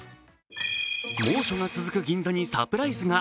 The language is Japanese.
猛暑が続く銀座にサプライズが。